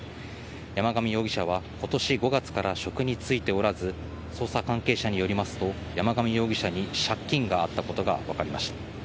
山上容疑者は今年５月から職に就いておらず捜査関係者によりますと山上容疑者に借金があったことが分かりました。